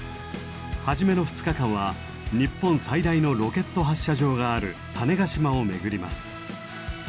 初めの２日間は日本最大のロケット発射場がある種子島を巡ります。